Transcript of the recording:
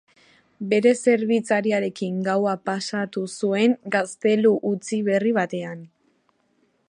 Bere zerbitzariarekin gaua pasatu zuen gaztelu utzi berri batean.